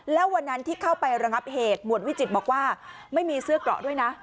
แล้ววันนั้นที่เข้าไประงับเหตุหมวดวิจิตรบอกว่าไม่มีเสื้อเกราะด้วยนะ